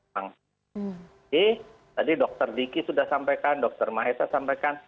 jadi tadi dr diki sudah sampaikan dr mahesa sampaikan